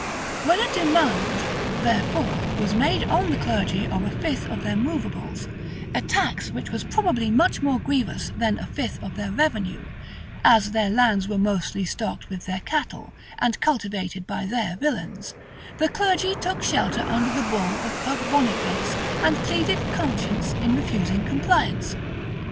When a demand, therefore, was made on the clergy of a fifth of their movables, a tax which was probably much more grievous than a fifth of their revenue, as their lands were mostly stocked with their cattle, and cultivated by their villains, the clergy took shelter under the bull of Pope Boniface and pleaded conscience in refusing compliance.